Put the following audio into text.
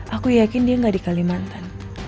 aku yakin dia gak di kalimantan